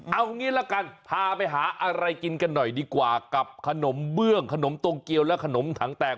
เอางี้ละกันพาไปหาอะไรกินกันหน่อยดีกว่ากับขนมเบื้องขนมตรงเกียวและขนมถังแตก